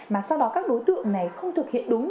mà sau đó các đối tượng này không thực hiện đúng